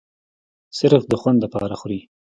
صرف د خوند د پاره خوري